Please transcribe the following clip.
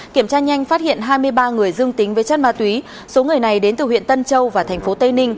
kiểm tra nhanh phát hiện hai mươi ba người dương tính với chất ma túy số người này đến từ huyện tân châu và thành phố tây ninh